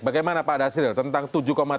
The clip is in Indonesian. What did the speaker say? bagaimana pak dasril tentang tujuh tiga juta